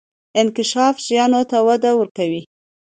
انکشاف شیانو ته وده ورکوي.